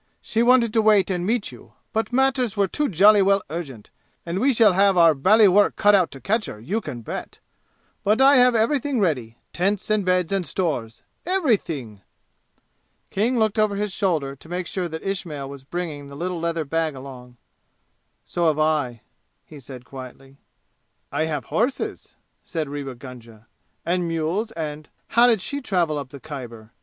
She wanted to wait and meet you, but matters were too jolly well urgent, and we shall have our bally work cut out to catch her, you can bet! But I have everything ready tents and beds and stores everything!" King looked over his shoulder to make sure that Ismail was bringing the little leather bag along. "So have I," he said quietly. "I have horses," said Rewa Gunga, "and mules and " "How did she travel up the Khyber?"